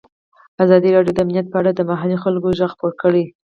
ازادي راډیو د امنیت په اړه د محلي خلکو غږ خپور کړی.